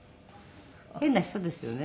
変な人ですよね。